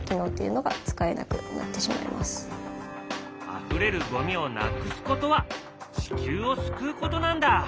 あふれるゴミをなくすことは地球を救うことなんだ。